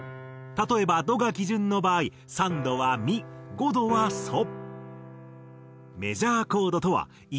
例えば「ド」が基準の場合３度は「ミ」５度は「ソ」。